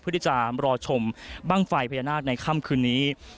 เพื่อที่จะรอชมบ้างไฟพญานาคในค่ำคืนนี้